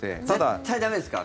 絶対駄目ですか？